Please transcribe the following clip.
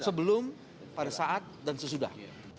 sebelum pada saat dan sesudah